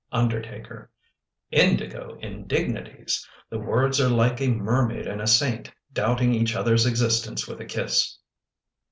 Undertaker Indigo indignities! The words are like a mermaid and a saint Doubting each other's existence with a kiss.